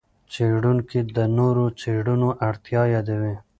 څېړونکي د نورو څېړنو اړتیا یادوي.